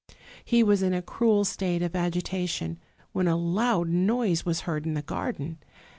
He was in a cruel state of agitation, when a loud noise was heard in the garden.